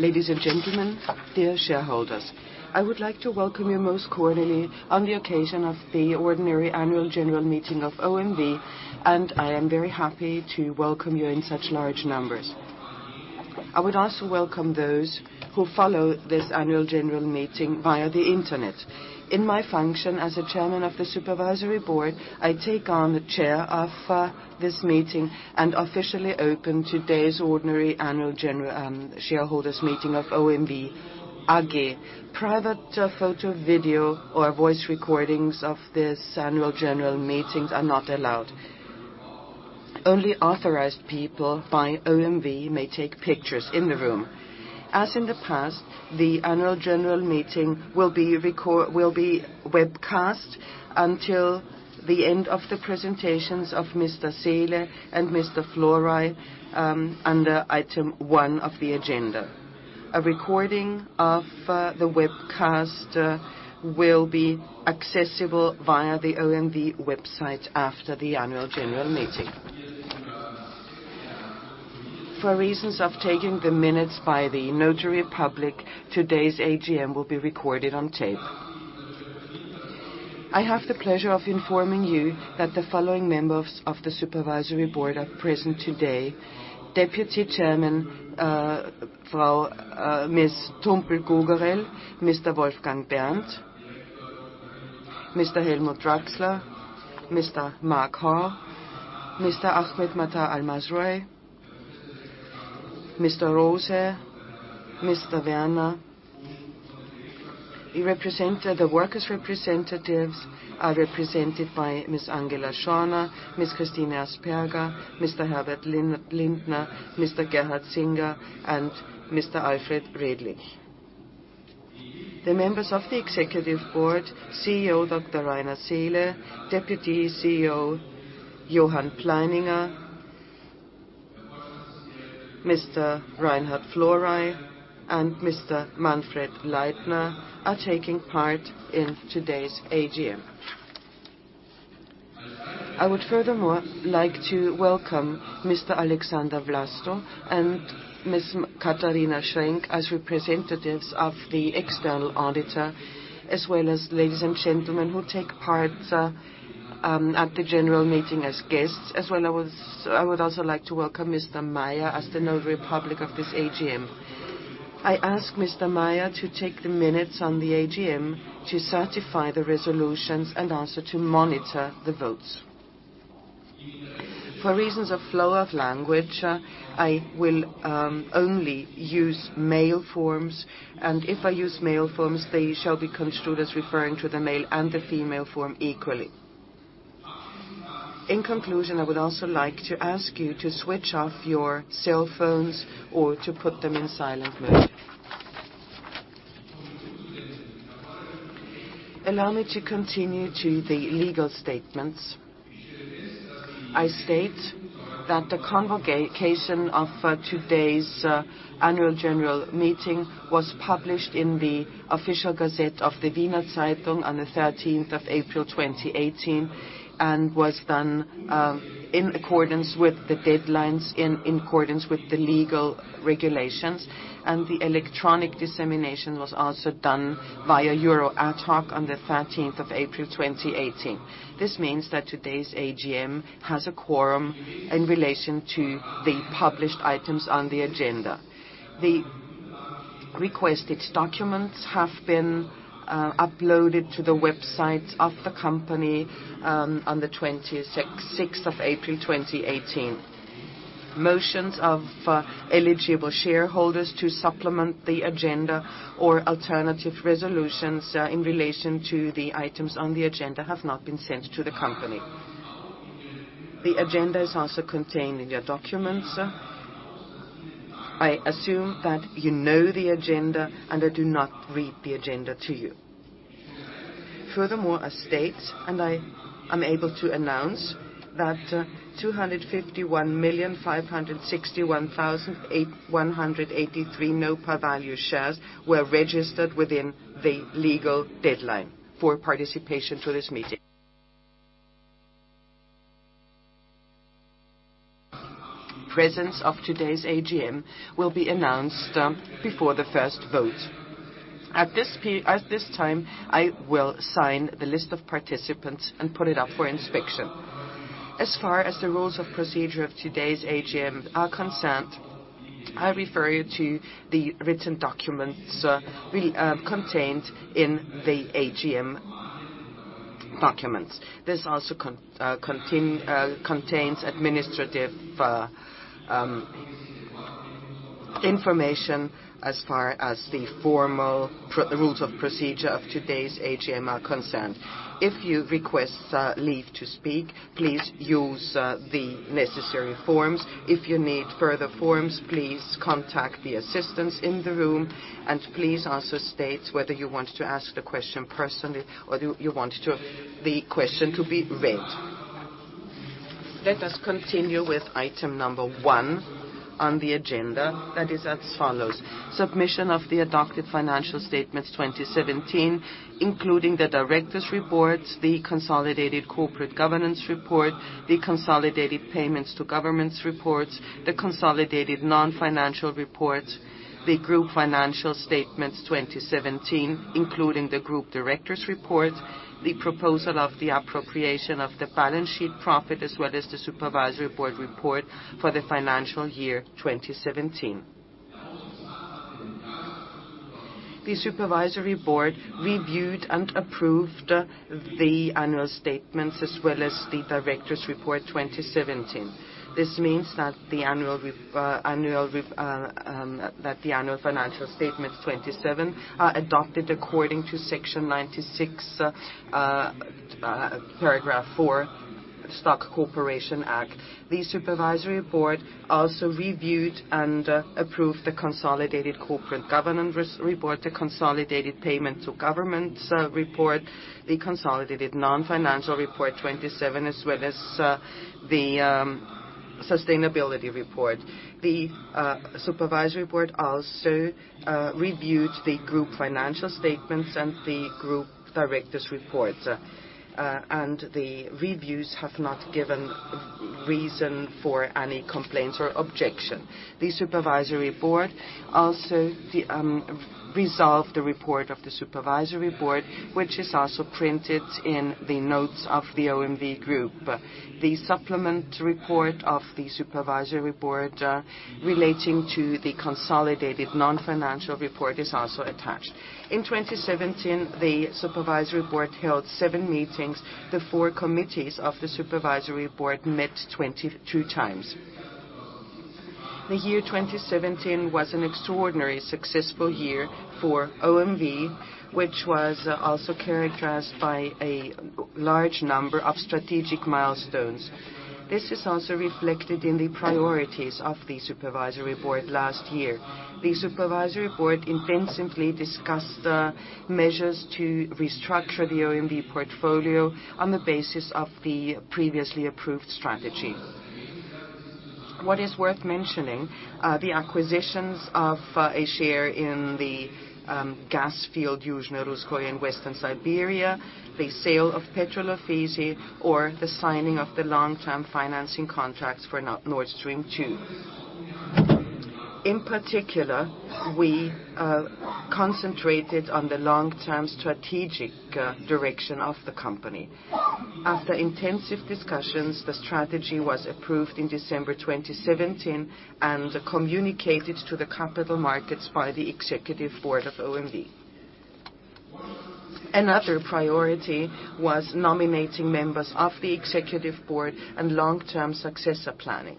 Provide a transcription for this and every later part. Ladies and gentlemen, dear shareholders. I would like to welcome you most cordially on the occasion of the ordinary annual general meeting of OMV, and I am very happy to welcome you in such large numbers. I would also welcome those who follow this annual general meeting via the Internet. In my function as a Chairman of the Supervisory Board, I take on the chair of this meeting and officially open today's ordinary annual shareholders meeting of OMV AG. Private photo, video, or voice recordings of this annual general meeting are not allowed. Only authorized people by OMV may take pictures in the room. In the past, the annual general meeting will be webcast until the end of the presentations of Mr. Seele and Mr. Florey under item one of the agenda. A recording of the webcast will be accessible via the OMV website after the annual general meeting. For reasons of taking the minutes by the notary public, today's AGM will be recorded on tape. I have the pleasure of informing you that the following members of the Supervisory Board are present today: Deputy Chairman Ms. Tumpel-Gugerell, Mr. Wolfgang Berndt, Mr. Helmut Draxler, Mr. Marc Hall, Mr. Ahmed Matar Al Mazrouei, Mr. Roiss, Mr. Werner. The workers representatives are represented by Ms. Angela Schorna, Ms. Christine Asperger, Mr. Herbert Lindner, Mr. Gerhard Singer, and Mr. Alfred Redlich. The members of the Executive Board, CEO Dr. Rainer Seele, Deputy CEO Johann Pleininger, Mr. Reinhard Florey, and Mr. Manfred Leitner are taking part in today's AGM. I would furthermore like to welcome Mr. Alexander Vlasto and Ms. Katharina Schrenk as representatives of the external auditor, as well as ladies and gentlemen who take part at the general meeting as guests. I would also like to welcome Mr. Meyer as the Notary Public of this AGM. I ask Mr. Meyer to take the minutes on the AGM to certify the resolutions and also to monitor the votes. For reasons of flow of language, I will only use male forms, and if I use male forms, they shall be construed as referring to the male and the female form equally. I would also like to ask you to switch off your cell phones or to put them in silent mode. Allow me to continue to the legal statements. I state that the convocation of today's annual general meeting was published in the official Gazette of the Wiener Zeitung on the 13th of April 2018, and was done in accordance with the deadlines, in accordance with the legal regulations, and the electronic dissemination was also done via euro adhoc on the 13th of April 2018. Today's AGM has a quorum in relation to the published items on the agenda. Requested documents have been uploaded to the website of the company on the 26th of April 2018. Motions of eligible shareholders to supplement the agenda or alternative resolutions in relation to the items on the agenda have not been sent to the company. The agenda is also contained in your documents. I assume that you know the agenda, and I do not read the agenda to you. Furthermore, I state, I am able to announce that 251,561,183 no par value shares were registered within the legal deadline for participation to this meeting. Presence of today's AGM will be announced before the first vote. At this time, I will sign the list of participants and put it up for inspection. As far as the rules of procedure of today's AGM are concerned, I refer you to the written documents contained in the AGM documents. This also contains administrative information as far as the formal rules of procedure of today's AGM are concerned. If you request leave to speak, please use the necessary forms. If you need further forms, please contact the assistants in the room, please also state whether you want to ask the question personally, or you want the question to be read. Let us continue with item number one on the agenda, that is as follows: submission of the adopted financial statements 2017, including the directors' reports, the consolidated corporate governance report, the consolidated payments to governments reports, the consolidated non-financial reports, the group financial statements 2017, including the group directors' reports, the proposal of the appropriation of the balance sheet profit, as well as the supervisory board report for the financial year 2017. The supervisory board reviewed and approved the annual statements as well as the directors' report 2017. This means that the annual financial statements 2017 are adopted according to Section 96, paragraph 4, Stock Corporation Act. The supervisory board also reviewed and approved the consolidated corporate governance report, the consolidated payments to governments report, the consolidated non-financial report 2017, as well as the sustainability report. The supervisory board also reviewed the group financial statements and the group directors' reports. The reviews have not given reason for any complaints or objection. The supervisory board also resolved the report of the supervisory board, which is also printed in the notes of the OMV Group. The supplement report of the supervisory board relating to the consolidated non-financial report is also attached. In 2017, the supervisory board held seven meetings. The four committees of the supervisory board met 22 times. The year 2017 was an extraordinarily successful year for OMV, which was also characterized by a large number of strategic milestones. This is also reflected in the priorities of the supervisory board last year. The supervisory board intensively discussed measures to restructure the OMV portfolio on the basis of the previously approved strategy. What is worth mentioning, the acquisitions of a share in the gas field Yuzhno-Russkoye in Western Siberia, the sale of Petrol Ofisi, or the signing of the long-term financing contracts for Nord Stream 2. In particular, we concentrated on the long-term strategic direction of the company. After intensive discussions, the strategy was approved in December 2017 and communicated to the capital markets by the executive board of OMV. Another priority was nominating members of the executive board and long-term successor planning.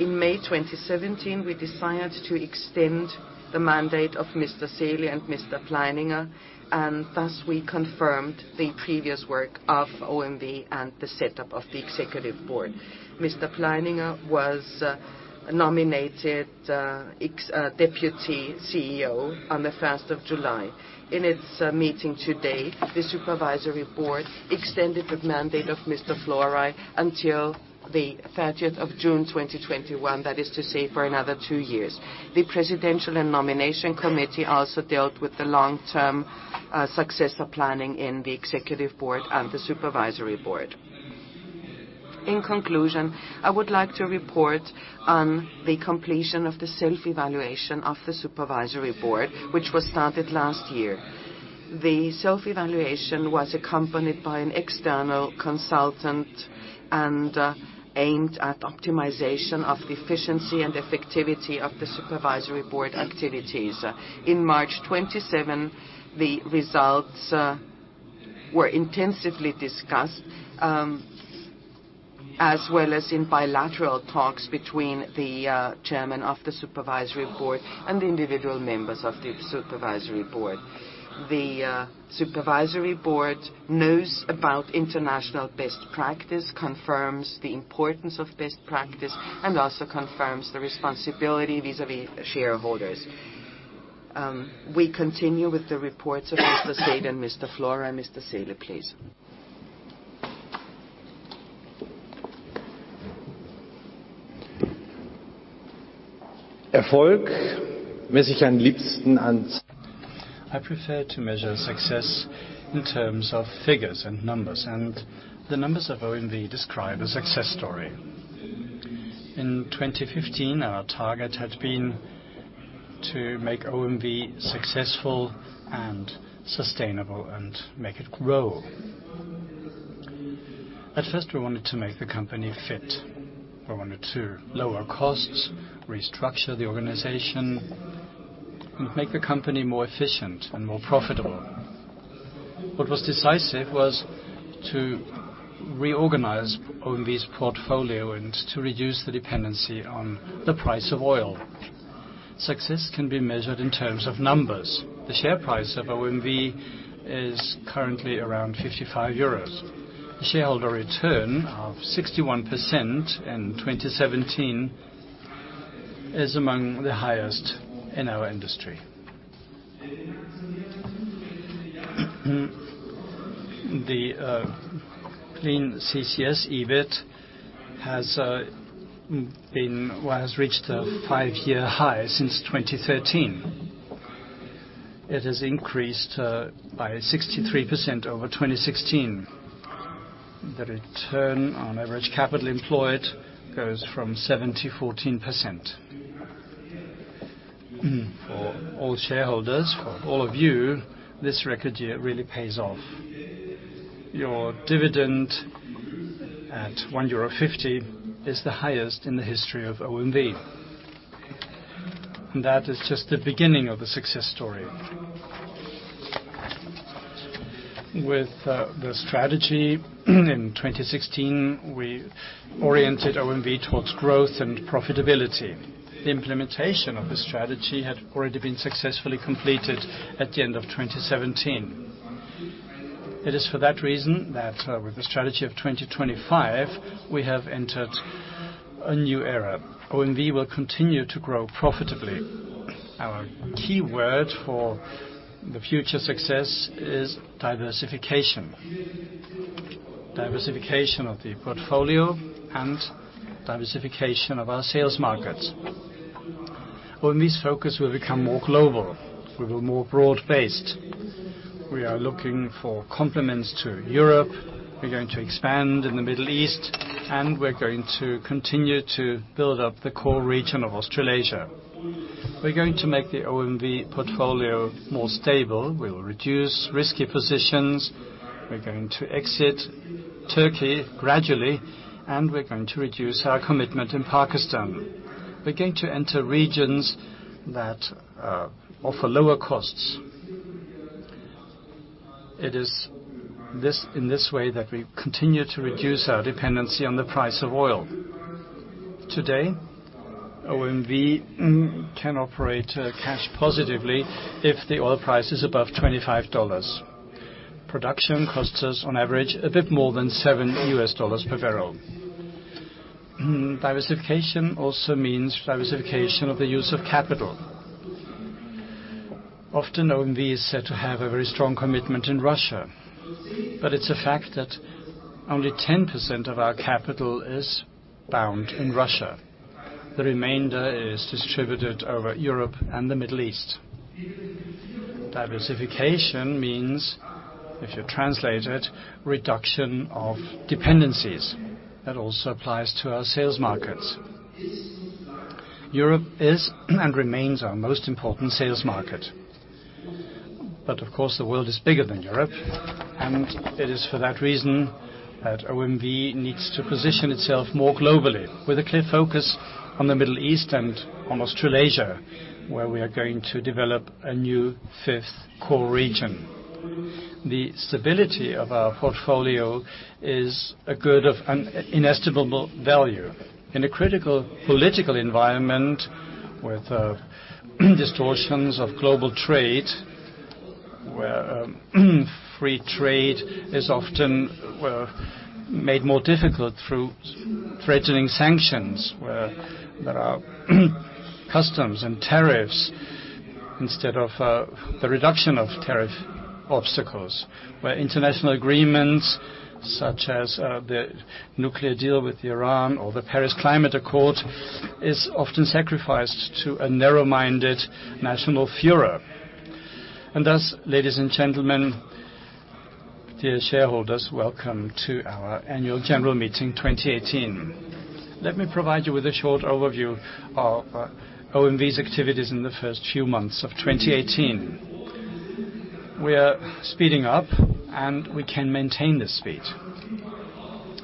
In May 2017, we decided to extend the mandate of Mr. Seele and Mr. Pleininger. Thus we confirmed the previous work of OMV and the setup of the executive board. Mr. Pleininger was nominated Deputy CEO on the 1st of July. In its meeting today, the Supervisory Board extended the mandate of Mr. Florey until the 30th of June 2021, that is to say, for another two years. The presidential and nomination committee also dealt with the long-term successor planning in the Executive Board and the Supervisory Board. In conclusion, I would like to report on the completion of the self-evaluation of the Supervisory Board, which was started last year. The self-evaluation was accompanied by an external consultant and aimed at optimization of the efficiency and effectivity of the Supervisory Board activities. In March 27, the results were intensively discussed, as well as in bilateral talks between the Chairman of the Supervisory Board and the individual members of the Supervisory Board. The Supervisory Board knows about international best practice, confirms the importance of best practice, and also confirms the responsibility vis-à-vis shareholders. We continue with the reports of Mr. Seele and Mr. Florey. Mr. Seele, please. I prefer to measure success in terms of figures and numbers, and the numbers of OMV describe a success story. In 2015, our target had been to make OMV successful and sustainable and make it grow. At first, we wanted to make the company fit. We wanted to lower costs, restructure the organization, and make the company more efficient and more profitable. What was decisive was to reorganize OMV's portfolio and to reduce the dependency on the price of oil. Success can be measured in terms of numbers. The share price of OMV is currently around 55 euros. The shareholder return of 61% in 2017 is among the highest in our industry. The Clean CCS EBIT has reached a five-year high since 2013. It has increased by 63% over 2016. The Return on Average Capital Employed goes from 7%-14%. For all shareholders, for all of you, this record year really pays off. Your dividend at 1.50 euro is the highest in the history of OMV. That is just the beginning of the success story. With the strategy in 2016, we oriented OMV towards growth and profitability. The implementation of the strategy had already been successfully completed at the end of 2017. It is for that reason that with the strategy of 2025, we have entered a new era. OMV will continue to grow profitably. Our key word for the future success is diversification. Diversification of the portfolio and diversification of our sales markets. OMV's focus will become more global. We were more broad-based. We are looking for complements to Europe. We are going to expand in the Middle East, and we are going to continue to build up the core region of Australasia. We're going to make the OMV portfolio more stable. We will reduce risky positions. We're going to exit Turkey gradually, and we're going to reduce our commitment in Pakistan. We're going to enter regions that offer lower costs. It is in this way that we continue to reduce our dependency on the price of oil. Today, OMV can operate cash positively if the oil price is above $25. Production costs us on average a bit more than $7 per barrel. Diversification also means diversification of the use of capital. Often, OMV is said to have a very strong commitment in Russia, but it's a fact that only 10% of our capital is bound in Russia. The remainder is distributed over Europe and the Middle East. Diversification means, if you translate it, reduction of dependencies. That also applies to our sales markets. Europe is and remains our most important sales market. Of course, the world is bigger than Europe. It is for that reason that OMV needs to position itself more globally with a clear focus on the Middle East and on Australasia, where we are going to develop a new 5th core region. The stability of our portfolio is a good of inestimable value. In a critical political environment with distortions of global trade, where free trade is often made more difficult through threatening sanctions, where there are customs and tariffs instead of the reduction of tariff obstacles, where international agreements such as the nuclear deal with Iran or the Paris Agreement is often sacrificed to a narrow-minded national furor. Thus, ladies and gentlemen, dear shareholders, welcome to our annual general meeting 2018. Let me provide you with a short overview of OMV's activities in the first few months of 2018. We are speeding up. We can maintain this speed.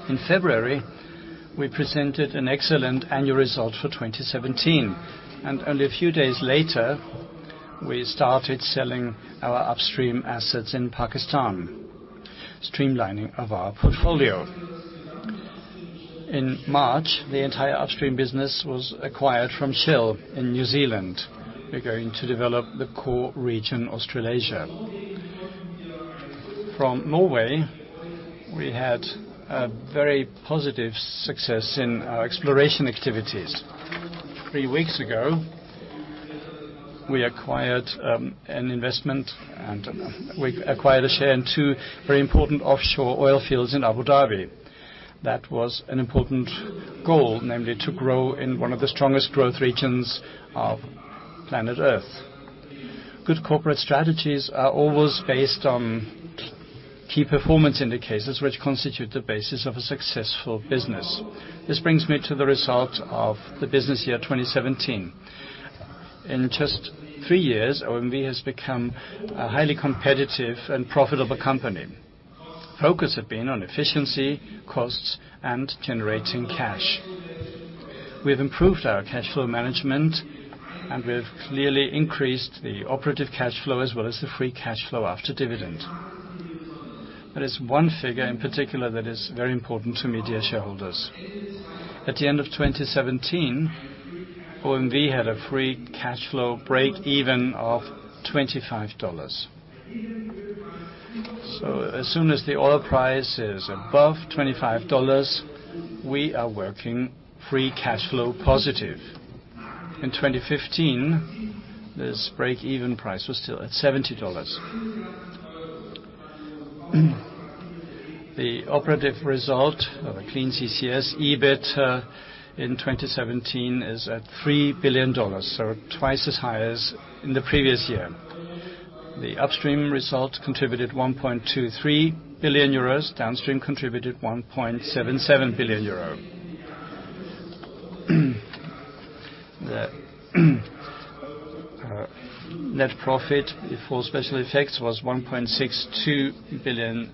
In February, we presented an excellent annual result for 2017. Only a few days later, we started selling our upstream assets in Pakistan, streamlining of our portfolio. In March, the entire upstream business was acquired from Shell in New Zealand. We're going to develop the core region, Australasia. From Norway, we had a very positive success in our exploration activities. Three weeks ago, we acquired an investment. We acquired a share in two very important offshore oil fields in Abu Dhabi. That was an important goal, namely to grow in one of the strongest growth regions of planet Earth. Good corporate strategies are always based on key performance indicators, which constitute the basis of a successful business. This brings me to the result of the business year 2017. In just 3 years, OMV has become a highly competitive and profitable company. Focus have been on efficiency, costs, and generating cash. We have improved our cash flow management. We have clearly increased the operative cash flow as well as the free cash flow after dividend. There is 1 figure in particular that is very important to me, dear shareholders. At the end of 2017, OMV had a free cash flow break-even of $25. As soon as the oil price is above $25, we are working free cash flow positive. In 2015, this break-even price was still at $70. The operative result of a Clean CCS EBIT in 2017 is at $3 billion, so twice as high as in the previous year. The upstream result contributed €1.23 billion, downstream contributed €1.77 billion. The net profit before special effects was €1.62 billion,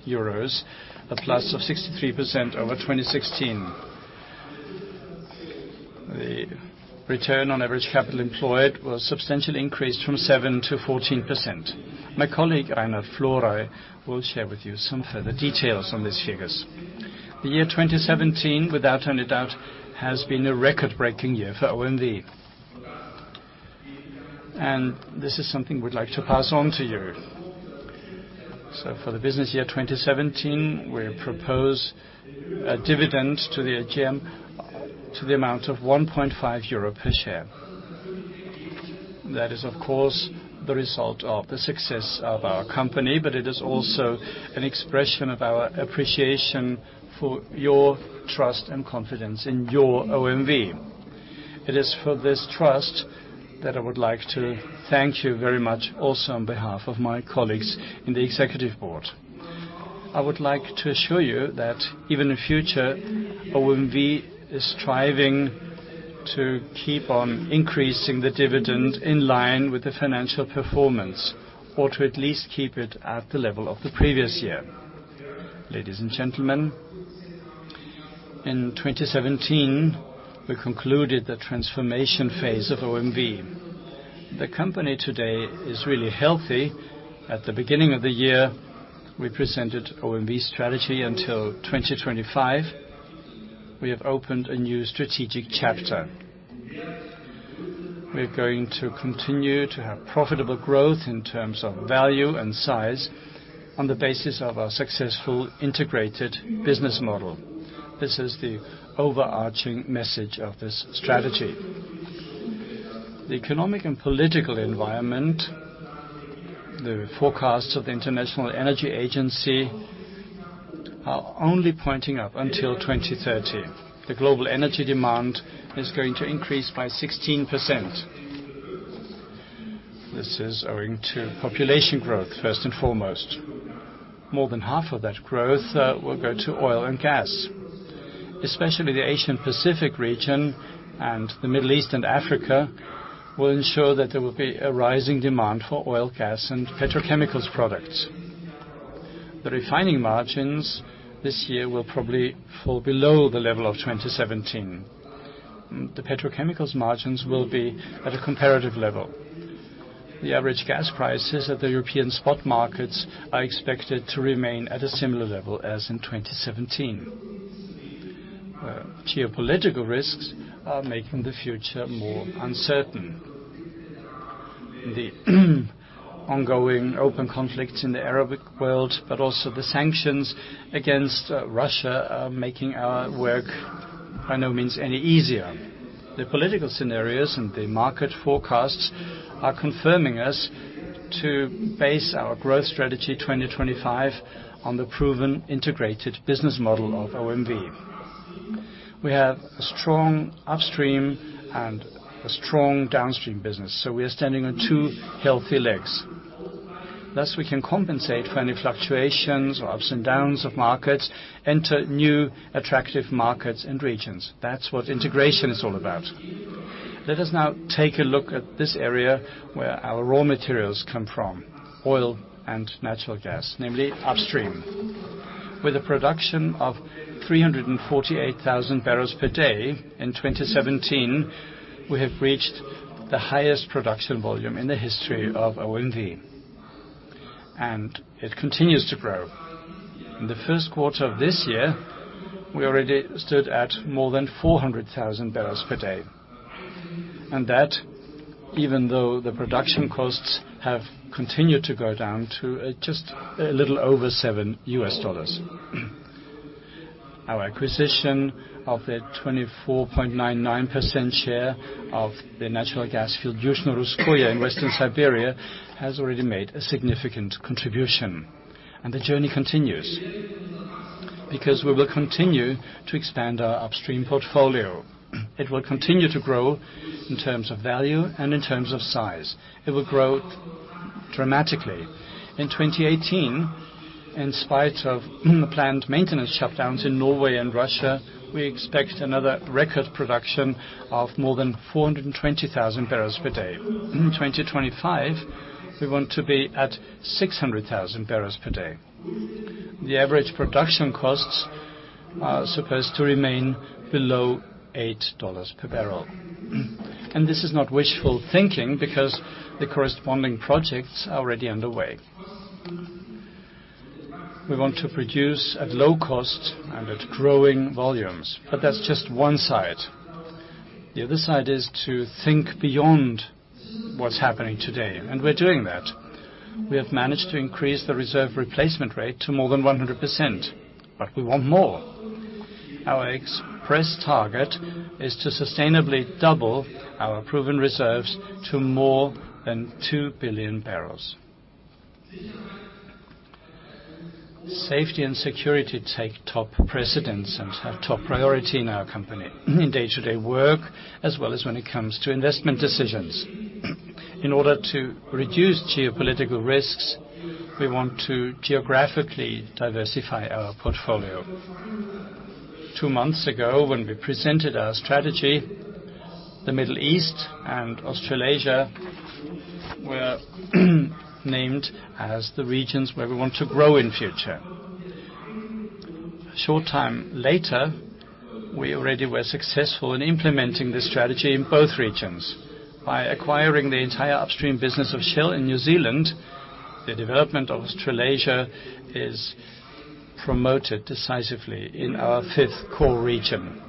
a plus of 63% over 2016. The Return on Average Capital Employed was substantially increased from 7% to 14%. My colleague, Reinhard Florey, will share with you some further details on these figures. The year 2017, without any doubt, has been a record-breaking year for OMV. This is something we'd like to pass on to you. For the business year 2017, we propose a dividend to the AGM to the amount of 1.5 euro per share. That is, of course, the result of the success of our company, but it is also an expression of our appreciation for your trust and confidence in your OMV. It is for this trust that I would like to thank you very much, also on behalf of my colleagues in the Executive Board. I would like to assure you that even in future, OMV is striving to keep on increasing the dividend in line with the financial performance, or to at least keep it at the level of the previous year. Ladies and gentlemen, in 2017, we concluded the transformation phase of OMV. The company today is really healthy. At the beginning of the year, we presented OMV's strategy until 2025. We have opened a new strategic chapter. We are going to continue to have profitable growth in terms of value and size on the basis of our successful integrated business model. This is the overarching message of this strategy. The economic and political environment, the forecasts of the International Energy Agency, are only pointing up until 2030. The global energy demand is going to increase by 16%. This is owing to population growth, first and foremost. More than half of that growth will go to oil and gas. Especially the Asia Pacific region and the Middle East and Africa will ensure that there will be a rising demand for oil, gas, and petrochemicals products. The refining margins this year will probably fall below the level of 2017. The petrochemicals margins will be at a comparative level. The average gas prices at the European spot markets are expected to remain at a similar level as in 2017, where geopolitical risks are making the future more uncertain. The ongoing open conflicts in the Arabic world, but also the sanctions against Russia are making our work by no means any easier. The political scenarios and the market forecasts are confirming us to base our growth strategy 2025 on the proven integrated business model of OMV. We have a strong upstream and a strong downstream business, we are standing on two healthy legs. Thus, we can compensate for any fluctuations or ups and downs of markets, enter new attractive markets and regions. That's what integration is all about. Let us now take a look at this area where our raw materials come from, oil and natural gas, namely upstream. With a production of 348,000 barrels per day in 2017, we have reached the highest production volume in the history of OMV, and it continues to grow. In the first quarter of this year, we already stood at more than 400,000 barrels per day. That even though the production costs have continued to go down to just a little over $7. Our acquisition of the 24.99% share of the natural gas field Yuzhno Russkoye in Western Siberia has already made a significant contribution, the journey continues because we will continue to expand our upstream portfolio. It will continue to grow in terms of value and in terms of size. It will grow dramatically. In 2018, in spite of the planned maintenance shutdowns in Norway and Russia, we expect another record production of more than 420,000 barrels per day. In 2025, we want to be at 600,000 barrels per day. The average production costs are supposed to remain below $8 per barrel. This is not wishful thinking because the corresponding projects are already underway. We want to produce at low cost and at growing volumes, but that's just one side. The other side is to think beyond what's happening today, and we're doing that. We have managed to increase the reserve replacement rate to more than 100%, but we want more. Our express target is to sustainably double our proven reserves to more than 2 billion barrels. Safety and security take top precedence and have top priority in our company in day-to-day work, as well as when it comes to investment decisions. In order to reduce geopolitical risks, we want to geographically diversify our portfolio. Two months ago, when we presented our strategy, the Middle East and Australasia were named as the regions where we want to grow in future. A short time later, we already were successful in implementing this strategy in both regions. By acquiring the entire upstream business of Shell in New Zealand, the development of Australasia is promoted decisively in our fifth core region.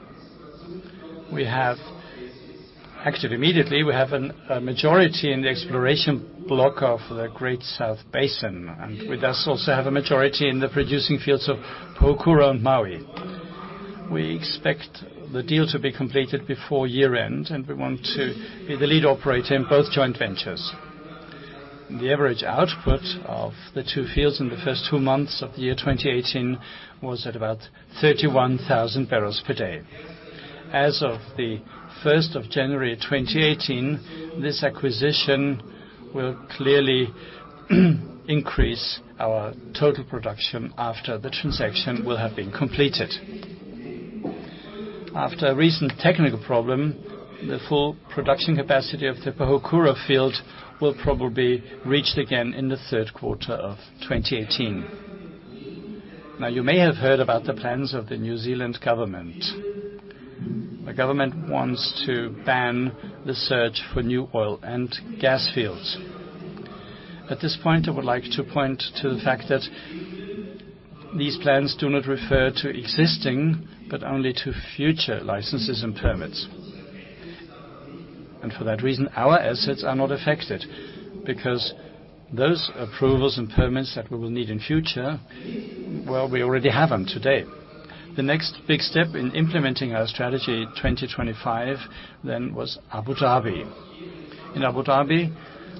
Actually immediately, we have a majority in the exploration block of the Great South Basin, and with us also have a majority in the producing fields of Pohokura and Maui. We expect the deal to be completed before year-end, and we want to be the lead operator in both joint ventures. The average output of the two fields in the first two months of the year 2018 was at about 31,000 barrels per day. As of the 1st of January 2018, this acquisition will clearly increase our total production after the transaction will have been completed. After a recent technical problem, the full production capacity of the Pohokura field will probably be reached again in the third quarter of 2018. You may have heard about the plans of the New Zealand government. The government wants to ban the search for new oil and gas fields. At this point, I would like to point to the fact that these plans do not refer to existing, but only to future licenses and permits. For that reason, our assets are not affected because those approvals and permits that we will need in future, well, we already have them today. The next big step in implementing our strategy 2025 then was Abu Dhabi. In Abu Dhabi,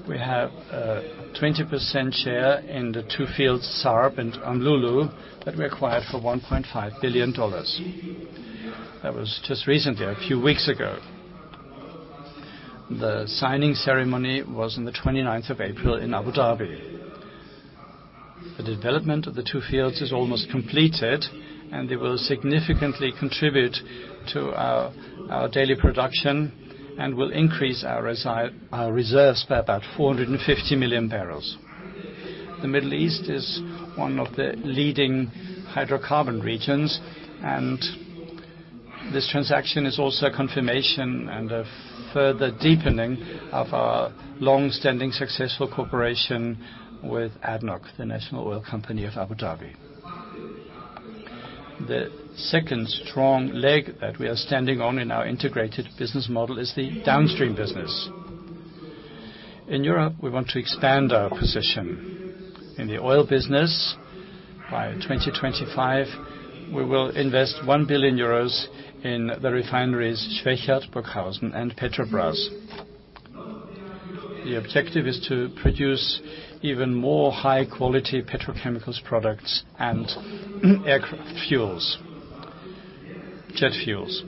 we have a 20% share in the two fields, SARB and Umm Lulu, that we acquired for $1.5 billion. That was just recently, a few weeks ago. The signing ceremony was on the 29th of April in Abu Dhabi. The development of the two fields is almost completed, and they will significantly contribute to our daily production and will increase our reserves by about 450 million barrels. The Middle East is one of the leading hydrocarbon regions, and this transaction is also a confirmation and a further deepening of our longstanding successful cooperation with ADNOC, the national oil company of Abu Dhabi. The second strong leg that we are standing on in our integrated business model is the downstream business. In Europe, we want to expand our position. In the oil business, by 2025, we will invest 1 billion euros in the refineries Schwechat, Burghausen, and Petrobrazi. The objective is to produce even more high-quality petrochemicals products and aircraft fuels, jet fuels.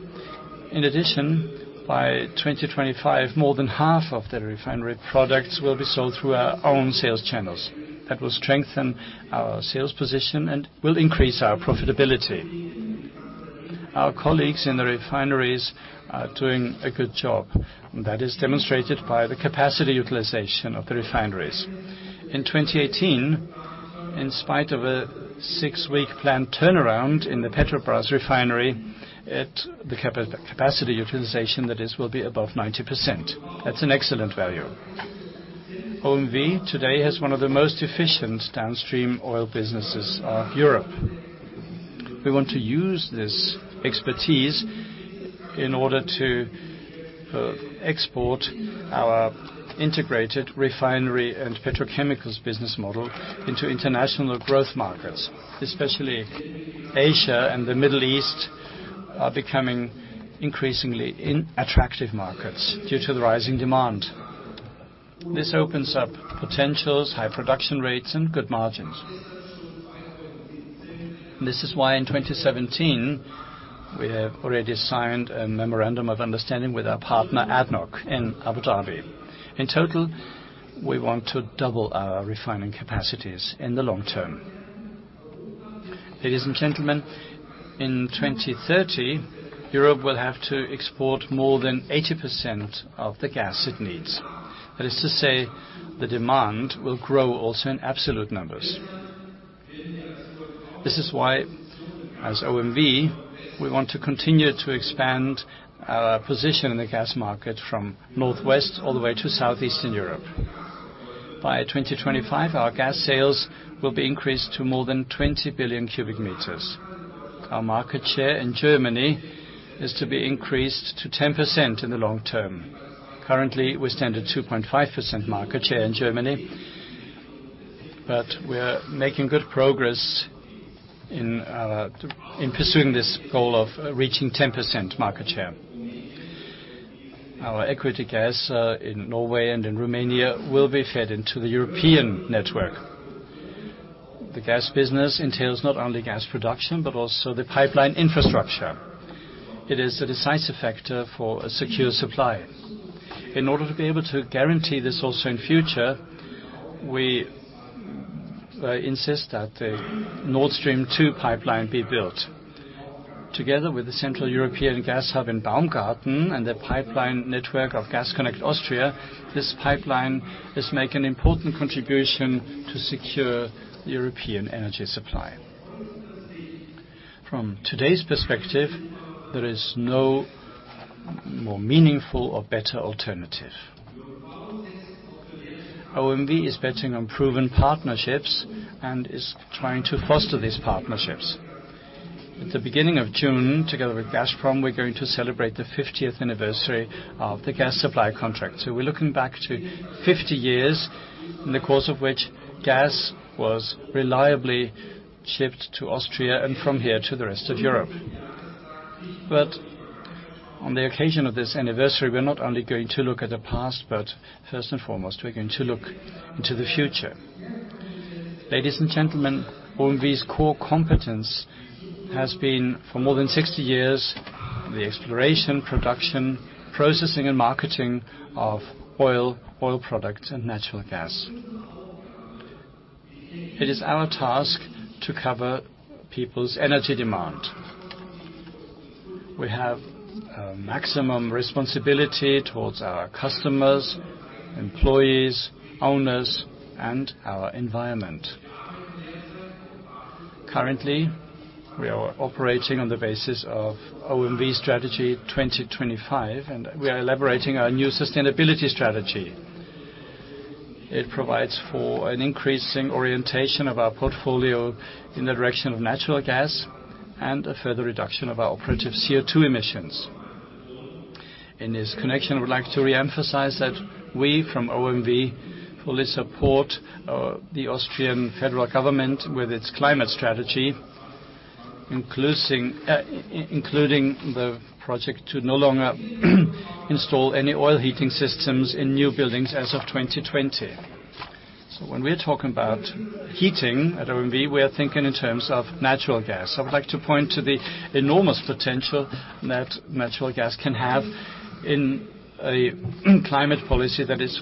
In addition, by 2025, more than half of the refinery products will be sold through our own sales channels. That will strengthen our sales position and will increase our profitability. Our colleagues in the refineries are doing a good job. That is demonstrated by the capacity utilization of the refineries. In 2018, in spite of a six-week planned turnaround in the Petrobrazi refinery, the capacity utilization, that is, will be above 90%. That's an excellent value. OMV today has one of the most efficient downstream oil businesses of Europe. We want to use this expertise in order to export our integrated refinery and petrochemicals business model into international growth markets, especially Asia and the Middle East are becoming increasingly attractive markets due to the rising demand. This opens up potentials, high production rates, and good margins. This is why in 2017, we have already signed a memorandum of understanding with our partner ADNOC in Abu Dhabi. In total, we want to double our refining capacities in the long term. Ladies and gentlemen, in 2030, Europe will have to export more than 80% of the gas it needs. That is to say, the demand will grow also in absolute numbers. This is why, as OMV, we want to continue to expand our position in the gas market from northwest all the way to southeastern Europe. By 2025, our gas sales will be increased to more than 20 billion cubic meters. Our market share in Germany is to be increased to 10% in the long term. Currently, we stand at 2.5% market share in Germany. We are making good progress in pursuing this goal of reaching 10% market share. Our equity gas in Norway and in Romania will be fed into the European network. The gas business entails not only gas production, but also the pipeline infrastructure. It is a decisive factor for a secure supply. In order to be able to guarantee this also in future, we insist that the Nord Stream 2 pipeline be built. Together with the Central European Gas Hub in Baumgarten and the pipeline network of Gas Connect Austria, this pipeline is making an important contribution to secure the European energy supply. From today's perspective, there is no more meaningful or better alternative. OMV is betting on proven partnerships and is trying to foster these partnerships. At the beginning of June, together with Gazprom, we're going to celebrate the 50th anniversary of the gas supply contract. So we're looking back to 50 years, in the course of which gas was reliably shipped to Austria and from here to the rest of Europe. But on the occasion of this anniversary, we are not only going to look at the past, but first and foremost, we are going to look into the future. Ladies and gentlemen, OMV's core competence has been, for more than 60 years, the exploration, production, processing, and marketing of oil products, and natural gas. It is our task to cover people's energy demand. We have maximum responsibility towards our customers, employees, owners, and our environment. Currently, we are operating on the basis of OMV's Strategy 2025, and we are elaborating our new sustainability strategy. It provides for an increasing orientation of our portfolio in the direction of natural gas and a further reduction of our operative CO2 emissions. In this connection, I would like to re-emphasize that we from OMV fully support the Austrian federal government with its climate strategy, including the project to no longer install any oil heating systems in new buildings as of 2020. When we are talking about heating at OMV, we are thinking in terms of natural gas. I would like to point to the enormous potential that natural gas can have in a climate policy that is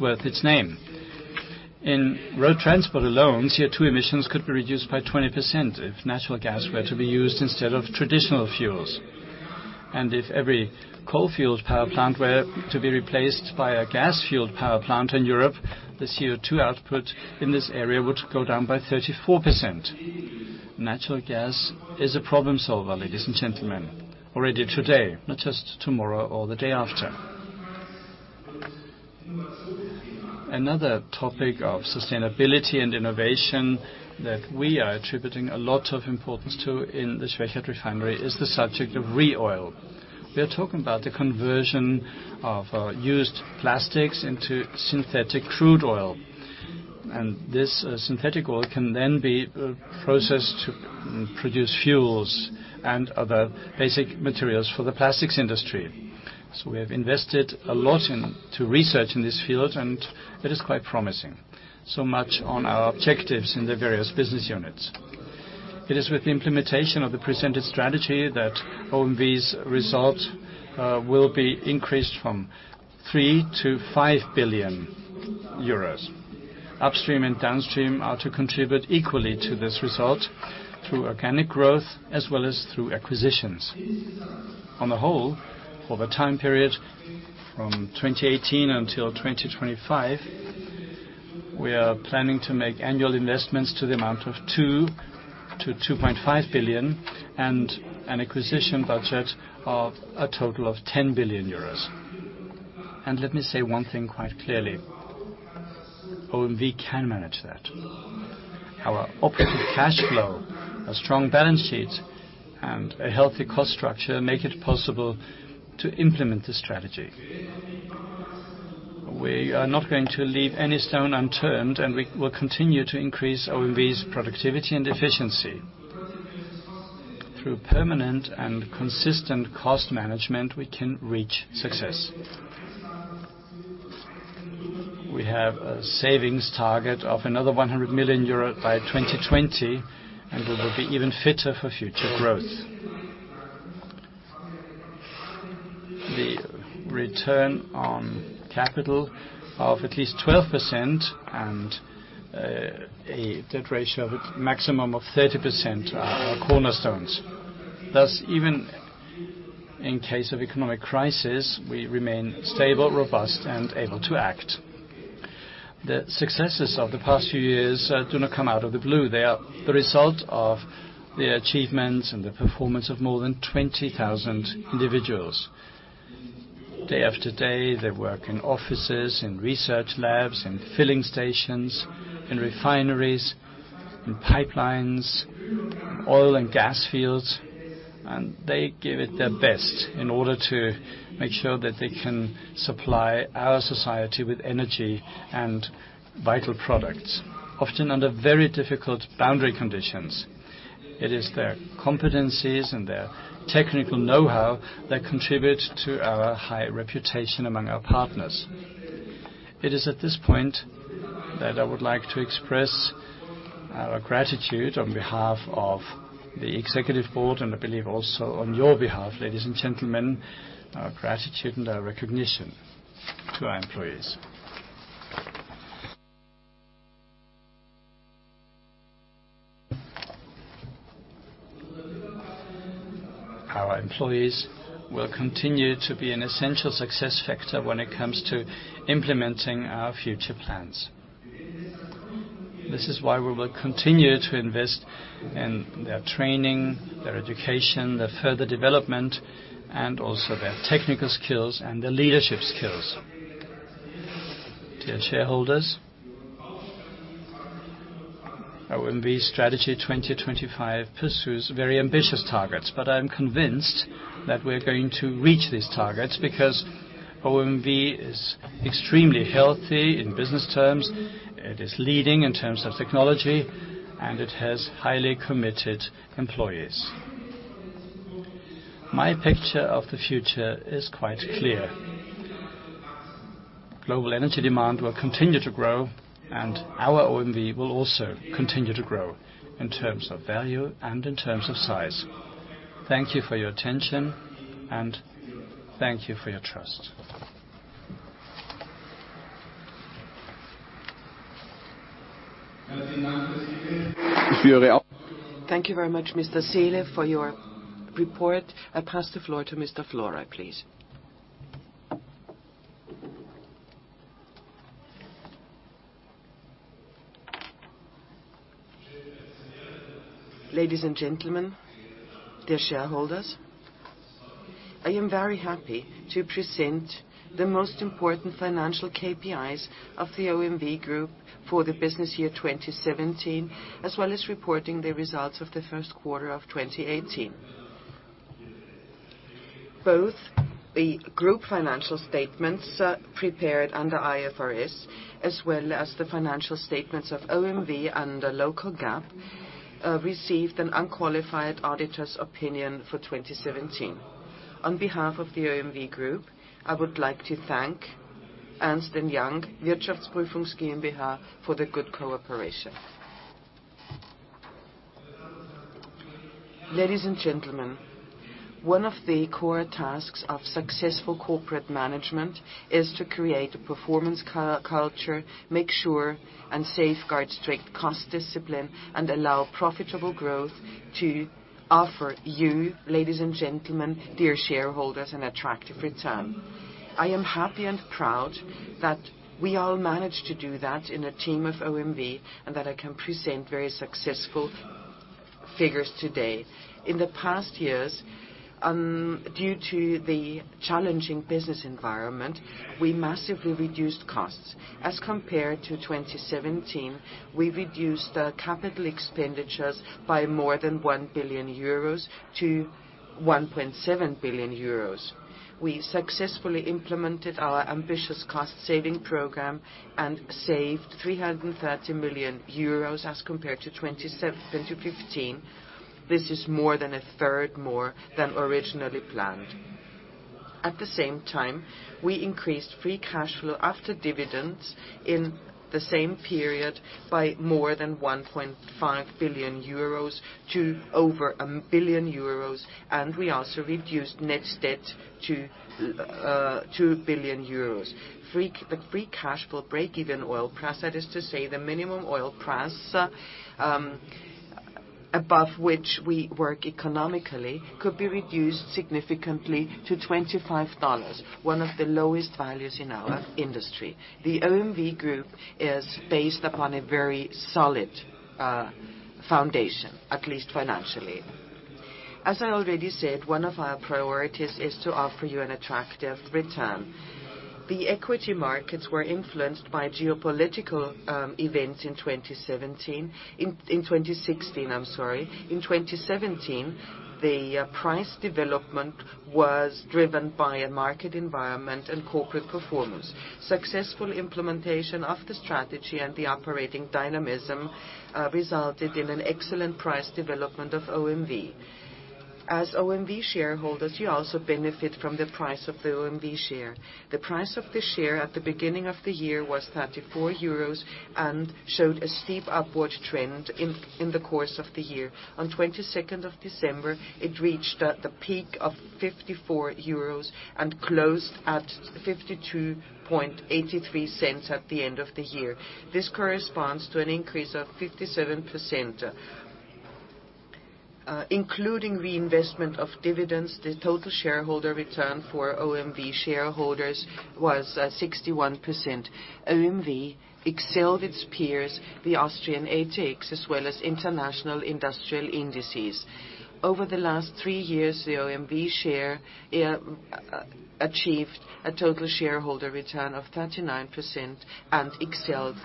worth its name. In road transport alone, CO2 emissions could be reduced by 20% if natural gas were to be used instead of traditional fuels. If every coal-fueled power plant were to be replaced by a gas-fueled power plant in Europe, the CO2 output in this area would go down by 34%. Natural gas is a problem solver, ladies and gentlemen, already today, not just tomorrow or the day after. Another topic of sustainability and innovation that we are attributing a lot of importance to in the Schwechat refinery is the subject of ReOil. We are talking about the conversion of used plastics into synthetic crude oil. This synthetic oil can then be processed to produce fuels and other basic materials for the plastics industry. We have invested a lot into research in this field, and it is quite promising. Much on our objectives in the various business units. It is with the implementation of the presented strategy that OMV's result will be increased from 3 billion to 5 billion euros. Upstream and downstream are to contribute equally to this result through organic growth as well as through acquisitions. On the whole, for the time period from 2018 until 2025, we are planning to make annual investments to the amount of 2 billion to 2.5 billion and an acquisition budget of a total of 10 billion euros. Let me say one thing quite clearly, OMV can manage that. Our operative cash flow, a strong balance sheet, and a healthy cost structure make it possible to implement this strategy. We are not going to leave any stone unturned, and we will continue to increase OMV's productivity and efficiency. Through permanent and consistent cost management, we can reach success. We have a savings target of another 100 million euro by 2020, and we will be even fitter for future growth. The return on capital of at least 12% and a debt ratio of a maximum of 30% are our cornerstones. Thus, even in case of economic crisis, we remain stable, robust and able to act. The successes of the past few years do not come out of the blue. They are the result of the achievements and the performance of more than 20,000 individuals. Day after day, they work in offices, in research labs, in filling stations, in refineries, in pipelines, oil and gas fields. They give it their best in order to make sure that they can supply our society with energy and vital products, often under very difficult boundary conditions. It is their competencies and their technical know-how that contribute to our high reputation among our partners. It is at this point that I would like to express our gratitude on behalf of the Executive Board, and I believe also on your behalf, ladies and gentlemen, our gratitude and our recognition to our employees. Our employees will continue to be an essential success factor when it comes to implementing our future plans. This is why we will continue to invest in their training, their education, their further development, and also their technical skills and their leadership skills. Dear shareholders, OMV Strategy 2025 pursues very ambitious targets. I am convinced that we are going to reach these targets because OMV is extremely healthy in business terms, it is leading in terms of technology, and it has highly committed employees. My picture of the future is quite clear. Global energy demand will continue to grow, and our OMV will also continue to grow in terms of value and in terms of size. Thank you for your attention and thank you for your trust. Thank you very much, Mr. Seele, for your report. I pass the floor to Mr. Florey, please. Ladies and gentlemen, dear shareholders, I am very happy to present the most important financial KPIs of the OMV Group for the business year 2017, as well as reporting the results of the first quarter of 2018. Both the Group financial statements prepared under IFRS, as well as the financial statements of OMV under local GAAP, received an unqualified auditor's opinion for 2017. On behalf of the OMV Group, I would like to thank Ernst & Young Wirtschaftsprüfungsgesellschaft m.b.H. for the good cooperation. Ladies and gentlemen, one of the core tasks of successful corporate management is to create a performance culture, make sure and safeguard strict cost discipline, and allow profitable growth to offer you, ladies and gentlemen, dear shareholders, an attractive return. I am happy and proud that we all managed to do that in a team of OMV, and that I can present very successful figures today. In the past years, due to the challenging business environment, we massively reduced costs. As compared to 2017, we reduced capital expenditures by more than 1 billion euros to 1.7 billion euros. We successfully implemented our ambitious cost-saving program and saved 330 million euros as compared to 2015. This is more than a third more than originally planned. At the same time, we increased free cash flow after dividends in the same period by more than 1.5 billion euros to over 1 billion euros, and we also reduced net debt to 2 billion euros. The free cash flow break-even oil price, that is to say, the minimum oil price above which we work economically, could be reduced significantly to $25, one of the lowest values in our industry. The OMV Group is based upon a very solid foundation, at least financially. As I already said, one of our priorities is to offer you an attractive return. The equity markets were influenced by geopolitical events in 2017. In 2016, I'm sorry. In 2017, the price development was driven by a market environment and corporate performance. Successful implementation of the strategy and the operating dynamism resulted in an excellent price development of OMV. As OMV shareholders, you also benefit from the price of the OMV share. The price of the share at the beginning of the year was 34 euros and showed a steep upward trend in the course of the year. On 22nd of December, it reached the peak of 54 euros and closed at 52.83 at the end of the year. This corresponds to an increase of 57%. Including reinvestment of dividends, the total shareholder return for OMV shareholders was 61%. OMV excelled its peers, the Austrian ATX, as well as international industrial indices. Over the last three years, the OMV share achieved a total shareholder return of 39% and excelled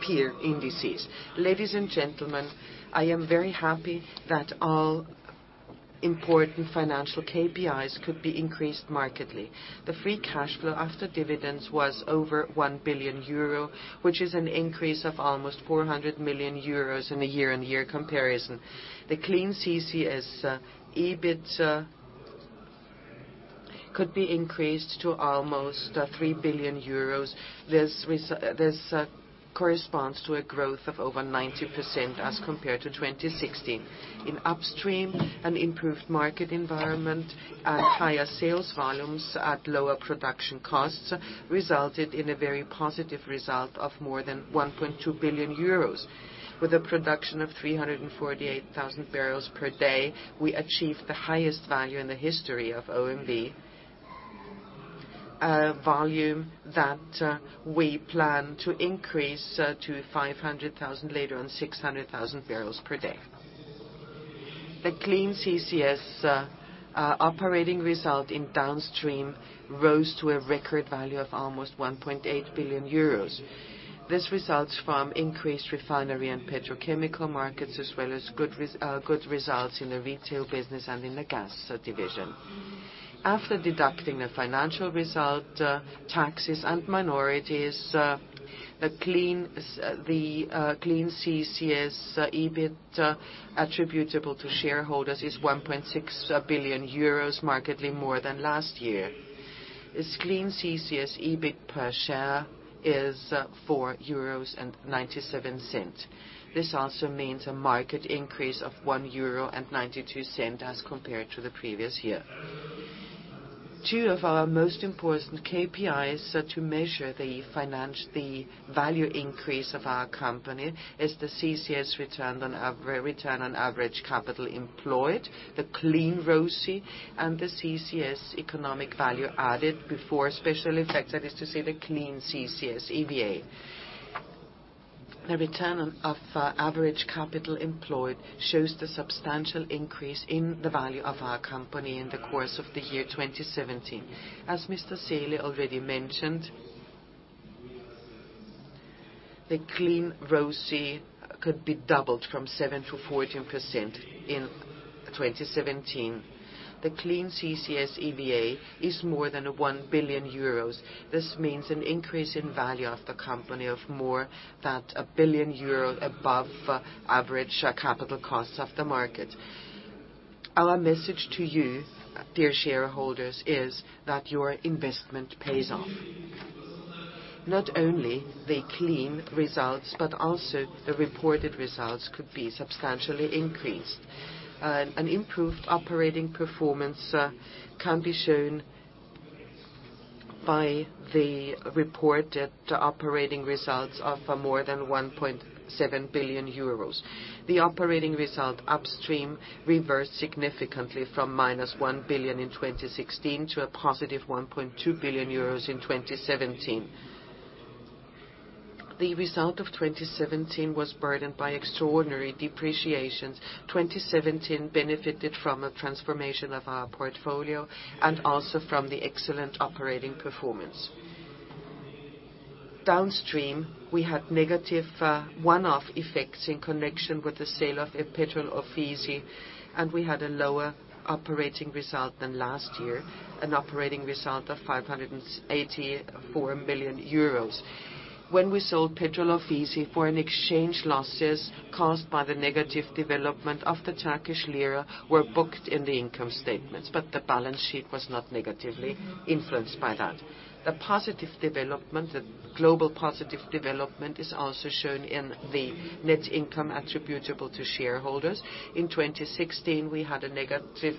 peer indices. Ladies and gentlemen, I am very happy that all important financial KPIs could be increased markedly. The free cash flow after dividends was over 1 billion euro, which is an increase of almost 400 million euros in a year-on-year comparison. The Clean CCS EBIT could be increased to almost 3 billion euros. This corresponds to a growth of over 90% as compared to 2016. In upstream, an improved market environment, higher sales volumes at lower production costs resulted in a very positive result of more than 1.2 billion euros. With a production of 348,000 barrels per day, we achieved the highest value in the history of OMV. A volume that we plan to increase to 500,000 later and 600,000 barrels per day. The clean CCS operating result in downstream rose to a record value of almost 1.8 billion euros. This results from increased refinery and petrochemical markets, as well as good results in the retail business and in the gas division. After deducting the financial result, taxes, and minorities, the Clean CCS EBIT attributable to shareholders is 1.6 billion euros, markedly more than last year. This Clean CCS EBIT per share is 4.97 euros. This also means a market increase of 1.92 euro as compared to the previous year. Two of our most important KPIs to measure the value increase of our company is the CCS Return on Average Capital Employed, the Clean ROCE, and the CCS economic value added before special effects. That is to say, the Clean CCS EVA. The return of average capital employed shows the substantial increase in the value of our company in the course of the year 2017. As Mr. Seele already mentioned, the Clean ROCE could be doubled from 7% to 14% in 2017. The Clean CCS EVA is more than 1 billion euros. This means an increase in value of the company of more than a billion EUR above average capital costs of the market. Our message to you, dear shareholders, is that your investment pays off. Not only the clean results, but also the reported results could be substantially increased. An improved operating performance can be shown by the reported operating results of more than 1.7 billion euros. The operating result upstream reversed significantly from minus 1 billion in 2016 to a positive 1.2 billion euros in 2017. The result of 2017 was burdened by extraordinary depreciations. 2017 benefited from a transformation of our portfolio and also from the excellent operating performance. Downstream, we had negative one-off effects in connection with the sale of Petrol Ofisi, and we had a lower operating result than last year, an operating result of 584 million euros. When we sold Petrol Ofisi, foreign exchange losses caused by the negative development of the Turkish lira were booked in the income statements, but the balance sheet was not negatively influenced by that. The global positive development is also shown in the net income attributable to shareholders. In 2016, we had a negative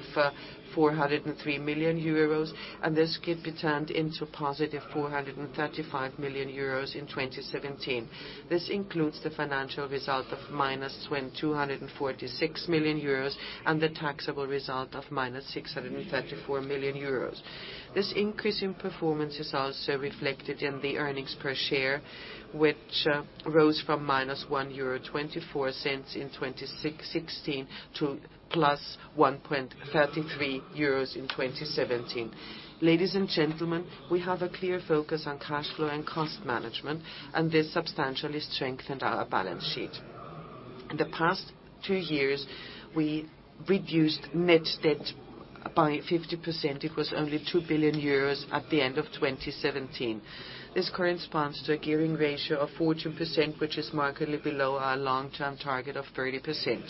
403 million euros, and this could be turned into positive 435 million euros in 2017. This includes the financial result of minus 246 million euros and the taxable result of minus 634 million euros. This increase in performance is also reflected in the earnings per share, which rose from minus 1.24 euro in 2016 to plus 1.33 euros in 2017. Ladies and gentlemen, we have a clear focus on cash flow and cost management, and this substantially strengthened our balance sheet. In the past two years, we reduced net debt by 50%. It was only 2 billion euros at the end of 2017. This corresponds to a gearing ratio of 14%, which is markedly below our long-term target of 30%.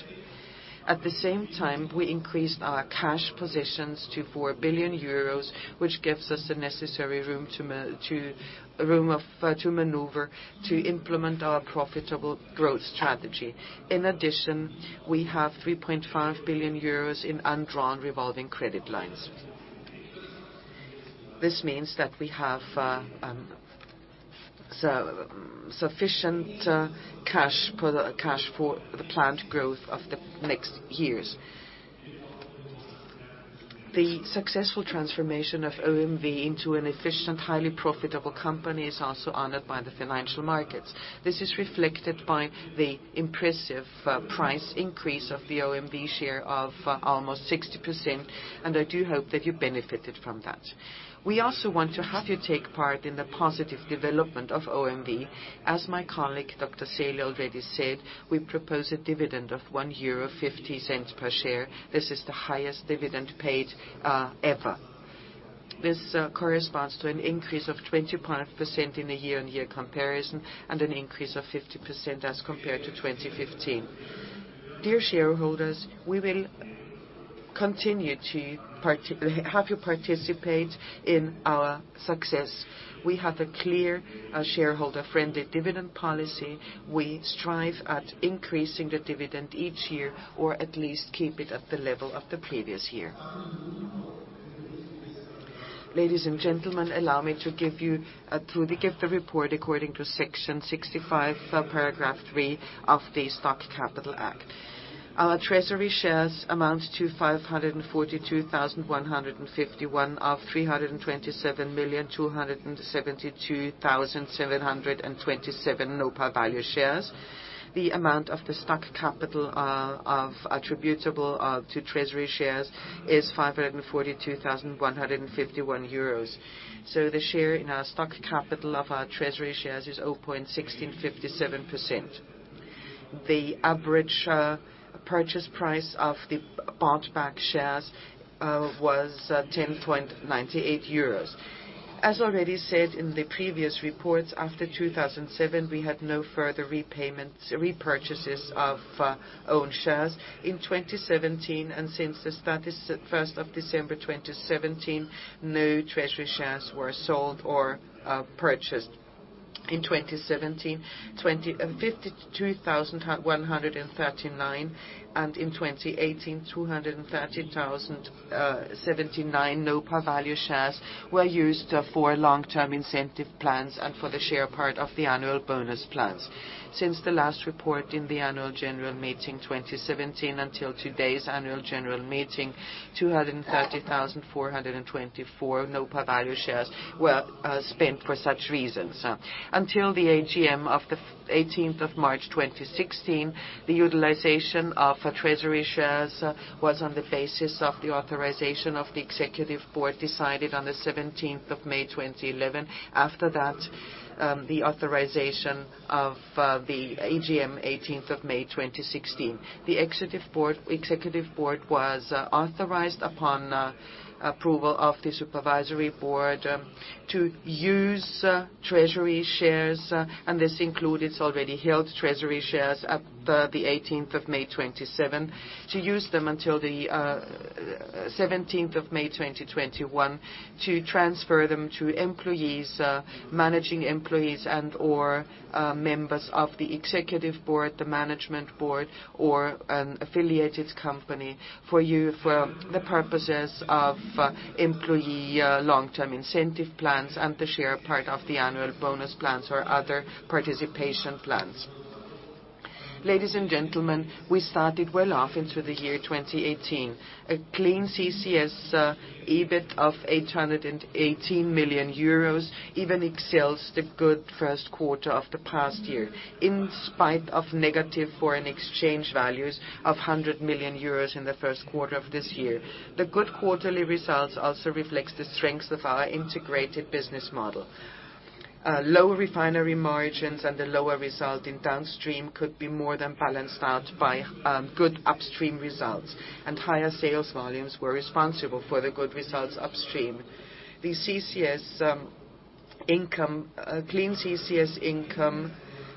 At the same time, we increased our cash positions to 4 billion euros, which gives us the necessary room to maneuver to implement our profitable growth strategy. In addition, we have 3.5 billion euros in undrawn revolving credit lines. This means that we have sufficient cash for the planned growth of the next years. The successful transformation of OMV into an efficient, highly profitable company is also honored by the financial markets. This is reflected by the impressive price increase of the OMV share of almost 60%, and I do hope that you benefited from that. We also want to have you take part in the positive development of OMV. As my colleague, Dr. Seele already said, we propose a dividend of 1.50 euro per share. This is the highest dividend paid ever. This corresponds to an increase of 20.5% in a year-on-year comparison, and an increase of 50% as compared to 2015. Dear shareholders, we will continue to have you participate in our success. We have a clear shareholder-friendly dividend policy. We strive at increasing the dividend each year, or at least keep it at the level of the previous year. Ladies and gentlemen, allow me to give you through the gift of report, according to Section 65, Paragraph 3 of the Stock Corporation Act. Our treasury shares amount to 542,151 of 327,272,727 no-par value shares. The amount of the stock capital attributable to treasury shares is 542,151 euros. So the share in our stock capital of our treasury shares is 0.1657%. The average purchase price of the bought back shares was 10.98 euros. As already said in the previous reports, after 2007, we had no further repurchases of own shares. In 2017 and since the start is 1st of December 2017, no treasury shares were sold or purchased. In 2017, 52,139, and in 2018, 230,079 no-par value shares were used for long-term incentive plans and for the share part of the annual bonus plans. Since the last report in the annual general meeting 2017 until today's annual general meeting, 230,424 no-par value shares were spent for such reasons. Until the AGM of the 18th of March 2016, the utilization of treasury shares was on the basis of the authorization of the executive board, decided on the 17th of May 2011. After that, the authorization of the AGM 18th of May 2016. The executive board was authorized upon approval of the supervisory board to use treasury shares, and this includes already held treasury shares up to the 18th of May 2027, to use them until the 17th of May 2021 to transfer them to employees, managing employees, and/or members of the executive board, the management board, or an affiliated company for the purposes of employee long-term incentive plans and the share part of the annual bonus plans or other participation plans. Ladies and gentlemen, we started well off into the year 2018. A Clean CCS EBIT of €818 million even excels the good first quarter of the past year, in spite of negative foreign exchange values of €100 million in the first quarter of this year. The good quarterly results also reflects the strengths of our integrated business model. Lower refinery margins and the lower result in downstream could be more than balanced out by good upstream results. Higher sales volumes were responsible for the good results upstream. The Clean CCS income,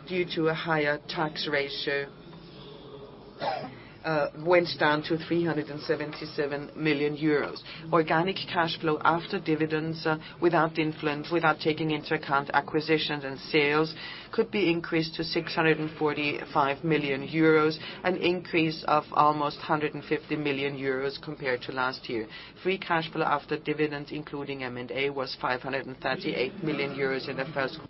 due to a higher tax ratio, went down to €377 million. Organic cash flow after dividends without influence, without taking into account acquisitions and sales, could be increased to €645 million, an increase of almost €150 million compared to last year. Free cash flow after dividends, including M&A, was €538 million in the first quarter.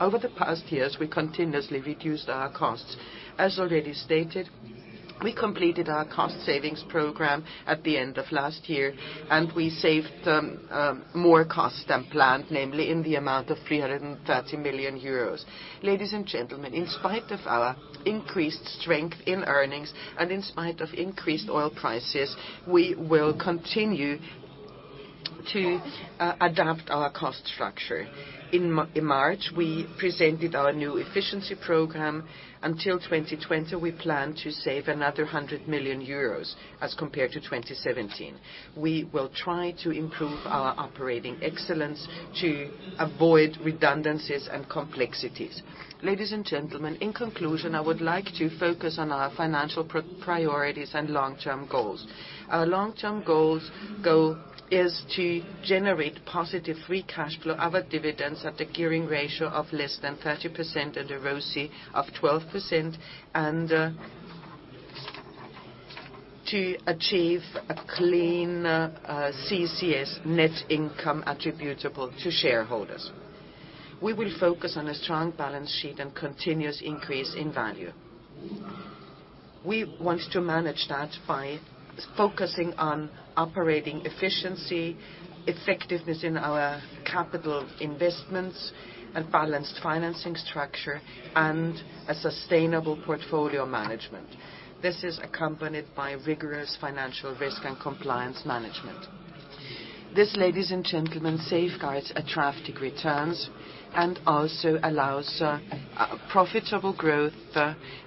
Over the past years, we continuously reduced our costs. As already stated, we completed our cost savings program at the end of last year. We saved more costs than planned, namely in the amount of €330 million. Ladies and gentlemen, in spite of our increased strength in earnings and in spite of increased oil prices, we will continue to adapt our cost structure. In March, we presented our new efficiency program. Until 2020, we plan to save another €100 million as compared to 2017. We will try to improve our operating excellence to avoid redundancies and complexities. Ladies and gentlemen, in conclusion, I would like to focus on our financial priorities and long-term goals. Our long-term goal is to generate positive free cash flow, other dividends at a gearing ratio of less than 30% and a ROCE of 12%, and to achieve a Clean CCS net income attributable to shareholders. We will focus on a strong balance sheet and continuous increase in value. We want to manage that by focusing on operating efficiency, effectiveness in our capital investments, a balanced financing structure, and a sustainable portfolio management. This is accompanied by rigorous financial risk and compliance management. This, ladies and gentlemen, safeguards attractive returns and also allows profitable growth,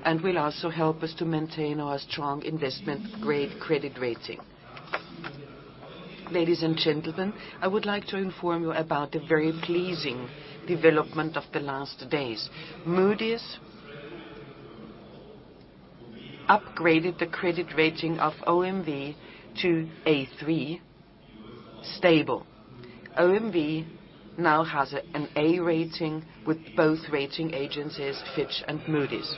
and will also help us to maintain our strong investment-grade credit rating. Ladies and gentlemen, I would like to inform you about the very pleasing development of the last days. Moody's upgraded the credit rating of OMV to A3 stable. OMV now has an A rating with both rating agencies, Fitch and Moody's.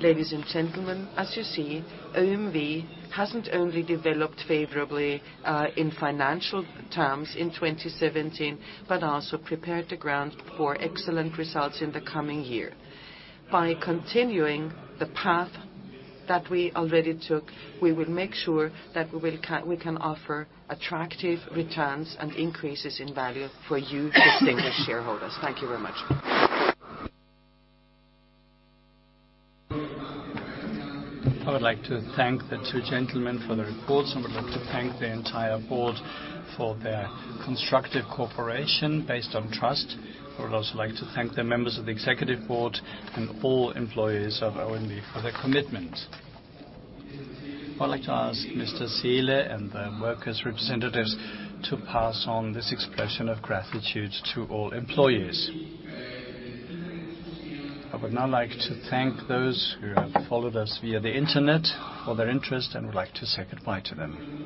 Ladies and gentlemen, as you see, OMV hasn't only developed favorably in financial terms in 2017, but also prepared the ground for excellent results in the coming year. By continuing the path that we already took, we will make sure that we can offer attractive returns and increases in value for you distinguished shareholders. Thank you very much. I would like to thank the two gentlemen for the reports, and would like to thank the entire board for their constructive cooperation based on trust. I would also like to thank the members of the executive board and all employees of OMV for their commitment. I would like to ask Mr. Seele and the workers representatives to pass on this expression of gratitude to all employees. I would now like to thank those who have followed us via the internet for their interest and would like to say goodbye to them.